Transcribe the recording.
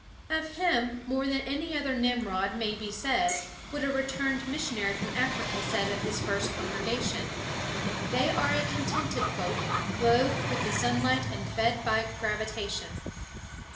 Of him more than any other Nimrod may be said what a returned missionary from Africa said of his first congregation, "They are a contented folk, clothed with the sunlight and fed by gravitation."